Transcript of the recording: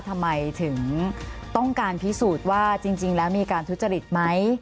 ทำไมถึงต้องการพิสูจน์ว่าจริงแล้วมีการทุจริตไหม